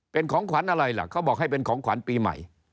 เป็นของขวัญอะไรล่ะเขาบอกให้เป็นของขวัญปีใหม่